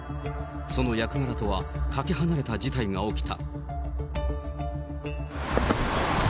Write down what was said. その役柄とはかけ離れた事態が起きた。